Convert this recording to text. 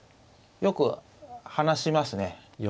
よく話しますね。